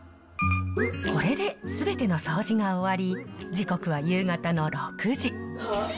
これですべての掃除が終わり、時刻は夕方の６時。